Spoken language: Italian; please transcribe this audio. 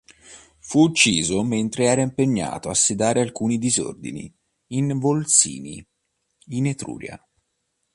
Fu ucciso mentre era impegnato a sedare alcuni disordini in Volsinii in Etruria.